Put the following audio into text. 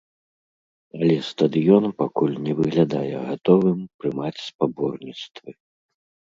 Але стадыён пакуль не выглядае гатовым прымаць спаборніцтвы.